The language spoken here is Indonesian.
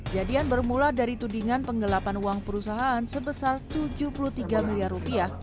jadian bermula dari tudingan penggelapan uang perusahaan sebesar tujuh puluh tiga miliar rupiah